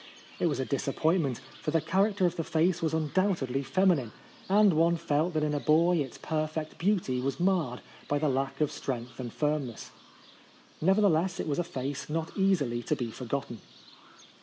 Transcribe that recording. It was a disappointment ; for the character of the face was undoubtedly femi nine— and one felt that in a boy its perfect beauty was marred by the lack of strength and firmness. Nevertheless it was a face not easily to be forgotten.